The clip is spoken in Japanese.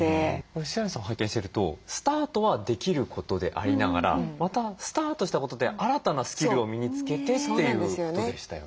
須鑓さん拝見しているとスタートはできることでありながらまたスタートしたことで新たなスキルを身につけてということでしたよね。